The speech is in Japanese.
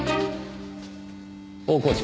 大河内